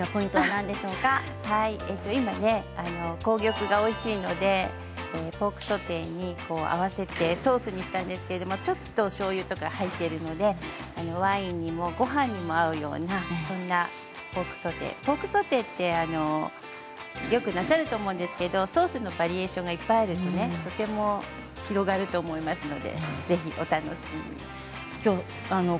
今は紅玉がおいしいのでポークソテーに合わせてソースにしたんですけれどもちょっと、おしょうゆとかも入っているのでワインにもごはんにも合うようなそんなポークソテーってよくなさると思うんですけどソースのバリエーションがいっぱいあるので広がると思いますので、ぜひお楽しみに。